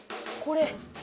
これ。